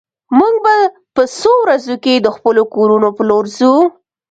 موږ به په څو ورځو کې د خپلو کورونو په لور ځو